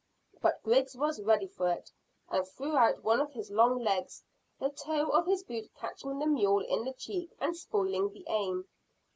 But Griggs was ready for it, and threw out one of his long legs, the toe of his boot catching the mule in the cheek and spoiling the aim.